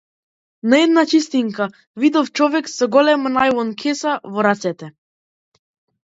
На една чистинка, видов човек со голема најлон кеса во рацете.